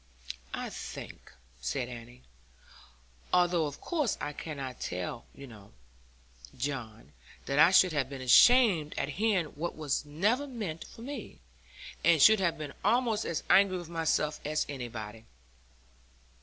'I think,' said Annie, 'although of course I cannot tell, you know, John, that I should have been ashamed at hearing what was never meant for me, and should have been almost as angry with myself as anybody.'